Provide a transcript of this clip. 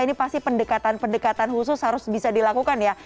ini pasti pendekatan pendekatan khusus harus bisa dilakukan ya